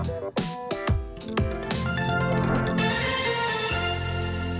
โปรดติดตามตอนต่อไป